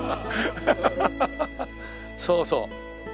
そうそう。